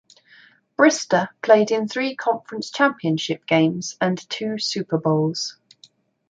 Brister played in three conference championship games and two Super Bowls.